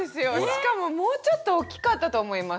しかももうちょっと大きかったと思います